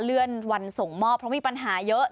เลื่อนวันส่งมอบเพราะมีปัญหาเยอะ